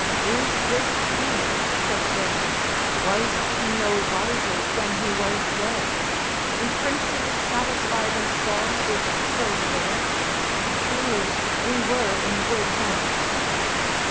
"Is this he," say they, "was he no wiser when he was there? Do princes satisfy themselves with so little? Truly, we were in good hands."